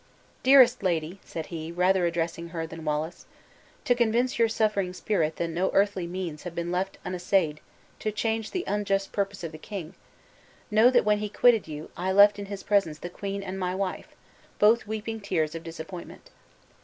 "Dearest lady," said he, rather addressing her than Wallace, "to convince your suffering spirit that no earthly means have been left unessayed to change the unjust purpose of the king, know that when he quitted you I left in his presence the queen and my wife, both weeping tears of disappointment.